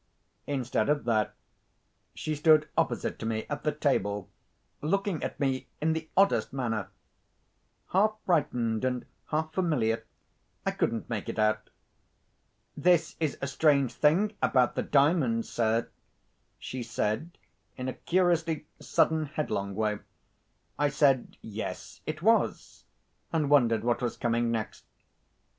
Instead of that, she stood opposite to me at the table, looking at me in the oddest manner—half frightened, and half familiar—I couldn't make it out. 'This is a strange thing about the Diamond, sir,' she said, in a curiously sudden, headlong way. I said, 'Yes, it was,' and wondered what was coming next.